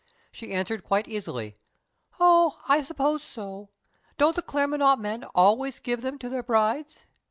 She answered quite easily, "Oh, I suppose so. Don't the Claremanagh men always give them to their brides?"